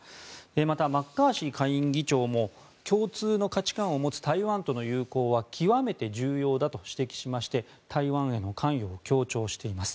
また、マッカーシー下院議長も共通の価値観を持つ台湾との友好は極めて重要だと指摘しまして台湾への関与を強調しています。